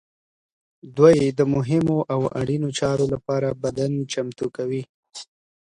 دوی د مهمو او اړینو چارو لپاره بدن چمتو کوي.